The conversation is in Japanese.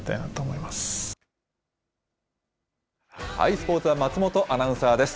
スポーツは松本アナウンサーです。